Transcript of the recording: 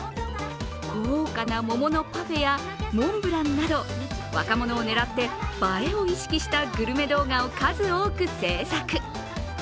豪華な桃のパフェやモンブランなど若者を狙って、映えを意識したグルメ動画を数多く制作。